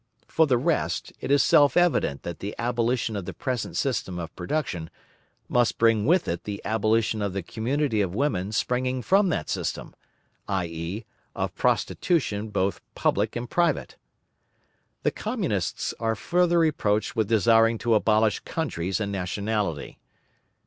For the rest, it is self evident that the abolition of the present system of production must bring with it the abolition of the community of women springing from that system, i.e., of prostitution both public and private. The Communists are further reproached with desiring to abolish countries and nationality.